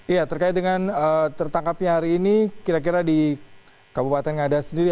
ya terkait dengan tertangkapnya hari ini kira kira di kabupaten ngada sendiri